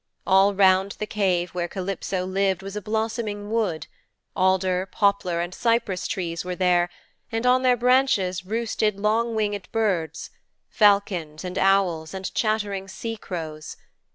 All round the cave where Calypso lived was a blossoming wood alder, poplar and cypress trees were there, and on their branches roosted long winged birds falcons and owls and chattering sea crows.